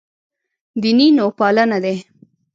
دیني نوپالنه دی.